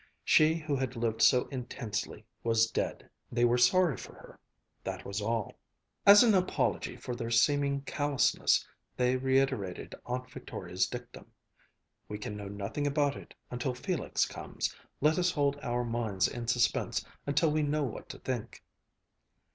She who had lived so intensely, was dead. They were sorry for her. That was all. As an apology for their seeming callousness they reiterated Aunt Victoria's dictum: "We can know nothing about it until Felix comes. Let us hold our minds in suspense until we know what to think."